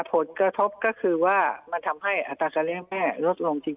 ผลกระทบก็คือว่ามันทำให้อัตราการเลี้ยงแม่ลดลงจริง